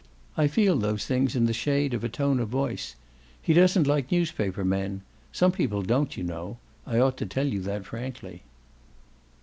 I feel those things in the shade of a tone of voice. He doesn't like newspaper men. Some people don't, you know. I ought to tell you that frankly."